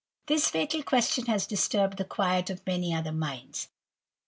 This fatal question has disturbed the quiet of many other Poinds.